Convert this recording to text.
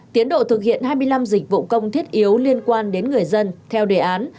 tiến độ thực hiện hai mươi năm dịch vụ công thiết yếu liên quan đến người dân theo đề án